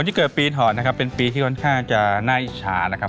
ที่เกิดปีถอดนะครับเป็นปีที่ค่อนข้างจะน่าอิจฉานะครับ